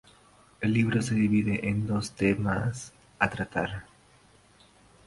El libro se divide en dos temas a tratar.